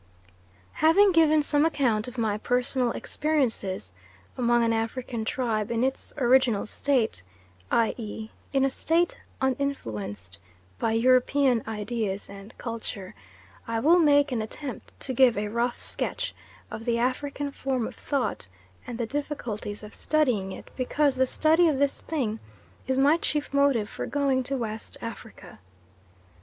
Having given some account of my personal experiences among an African tribe in its original state, i.e. in a state uninfluenced by European ideas and culture, I will make an attempt to give a rough sketch of the African form of thought and the difficulties of studying it, because the study of this thing is my chief motive for going to West Africa.